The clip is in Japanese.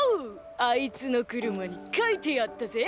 あいつの車に書いてやったぜ。